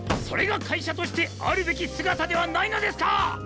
それが会社としてあるべき姿ではないのですか！？